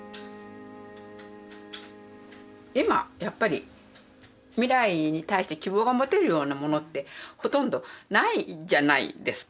今やっぱり未来に対して希望が持てるようなものってほとんどないじゃないですか。